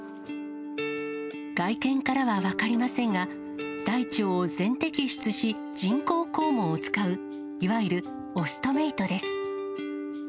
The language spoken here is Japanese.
外見からは分かりませんが、大腸を全摘出し、人工肛門を使う、いわゆるオストメイトです。